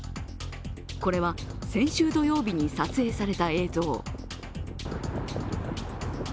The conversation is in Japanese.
これは先週土曜日に撮影された映像。